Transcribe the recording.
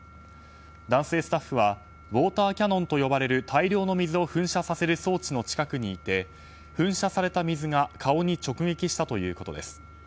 男性スタッフはウォーターキヤノンと呼ばれる大量の水を噴射させる装置の近くにいて噴射された水が顔に直撃したということです。